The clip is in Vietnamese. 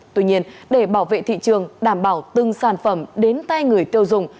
tuy nhiên để bảo vệ thị trường đảm bảo từng sản phẩm đến tay người tiêu dùng